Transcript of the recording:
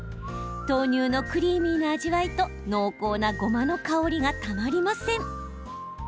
豆乳のクリーミーな味わいと濃厚な、ごまの香りがたまりません。